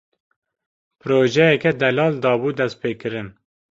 Projeyeke delal dabû destpêkirin.